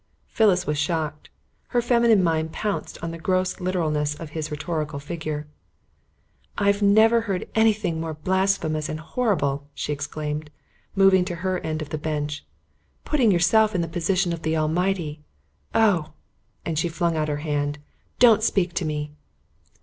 Phyllis was shocked. Her feminine mind pounced on the gross literalness of his rhetorical figure. "I've never heard anything more blasphemous and horrible," she exclaimed, moving to her end of the bench. "Putting yourself in the position of the Almighty! Oh!" she flung out her hand. "Don't speak to me."